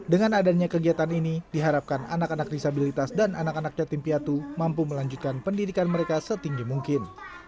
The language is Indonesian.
dengan adanya kegiatan ini diharapkan anak anak disabilitas dan anak anak yatim piatu mampu melanjutkan pendidikan mereka setinggi mungkin